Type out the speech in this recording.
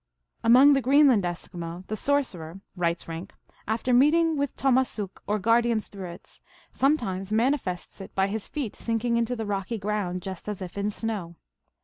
Among the Greenland Eskimo the sorcerer, writes Rink, " after meeting with tomassuk, or guardian spir its, sometimes manifests it by his feet sinking into the rocky ground just as if in snow."